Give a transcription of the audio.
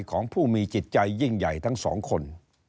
ของผู้มีจิตใจยิ่งใหญ่ทั้งสองคน